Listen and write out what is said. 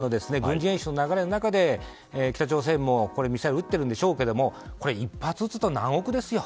今、米韓軍事演習の流れで北朝鮮もミサイルを撃っているんでしょうけども１発撃つと何億ですよ。